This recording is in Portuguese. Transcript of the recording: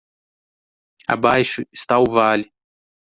Abaixo está o vale